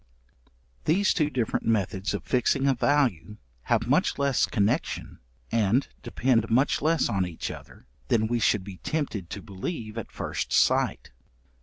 These two different methods of fixing a value, have much less connection, and depend much less on each other than we should be tempted to believe at first sight.